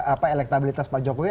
apa elektabilitas pak jokowi